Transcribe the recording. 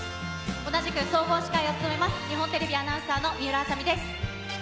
同じく総合司会を務めます、日本テレビの水卜麻美です。